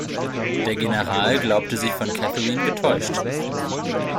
Der General glaubte sich von Catherine getäuscht.